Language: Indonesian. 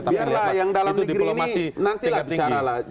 biarlah yang dalam negeri ini nanti lah bicara lah